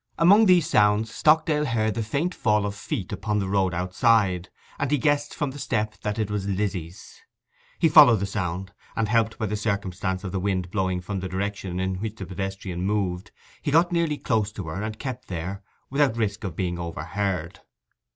Among these sounds Stockdale heard the faint fall of feet upon the road outside, and he guessed from the step that it was Lizzy's. He followed the sound, and, helped by the circumstance of the wind blowing from the direction in which the pedestrian moved, he got nearly close to her, and kept there, without risk of being overheard.